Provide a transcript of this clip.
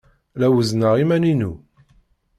La wezzneɣ iman-inu.